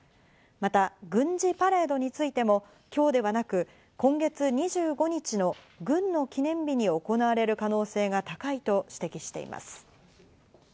また軍事パレードについても、今日ではなく今月２５日の軍の記念日に行われる可能性が高いと指摘しています。